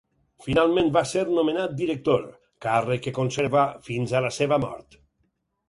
Finalment va ser nomenat director, càrrec que conserva fins a la seva mort.